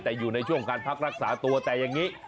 แต่อยู่ในช่วงการพักรักษาตัวแต่อย่างนี้